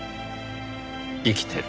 生きてる。